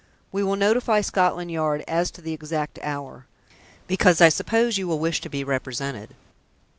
We will notify Scotland Yard as to the exact hour, because I suppose you will wish to be represented."